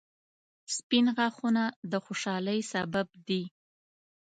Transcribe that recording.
• سپین غاښونه د خوشحالۍ سبب دي